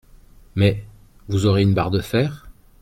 Mais … Vous aurez une barre de fer.